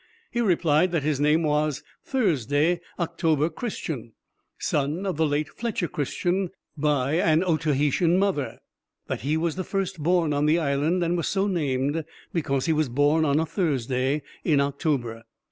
he replied that his name was Thursday October Christian, son of the late Fletcher Christian, by an Otaheitan mother; that he was the first born on the island, and was so named because he was born on a Thursday in October.